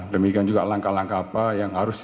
demikian juga langkah langkah apa yang harus